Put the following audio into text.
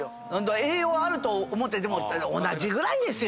栄養あると思ってでも同じぐらいですよ。